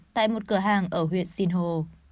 tại một cửa hàng ở huyện sinh hồ